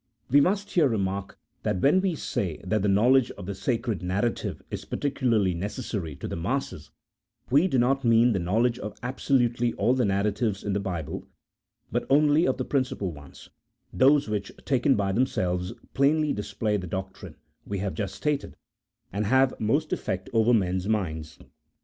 We must here remark that when we say that the know ledge of the sacred narrative is particularly necessary to the masses, we do not mean the knowledge of absolutely all the narratives in the Bible, but only of the principal ones, those which, taken by themselves, plainly display the doctrine we have just stated, and have most effect over men's minds.